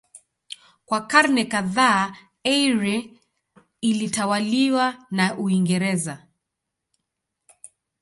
Kwa karne kadhaa Eire ilitawaliwa na Uingereza.